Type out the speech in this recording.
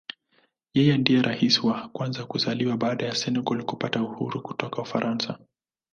Yeye ndiye Rais wa kwanza kuzaliwa baada ya Senegal kupata uhuru kutoka Ufaransa.